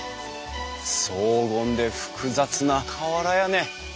荘厳で複雑な瓦屋根。